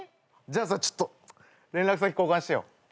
じゃあさちょっと連絡先交換してよ。